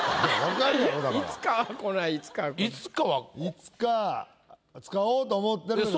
いつか使おうと思ってるけど。